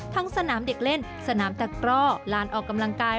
สนามเด็กเล่นสนามตะกร่อลานออกกำลังกาย